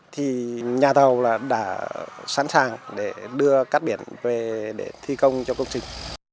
thì nhà thầu đã sẵn sàng đưa cắt biển về để thi công cho công trình